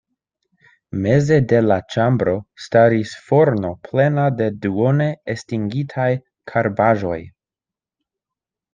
Meze de la ĉambro staris forno plena de duone estingitaj karbaĵoj.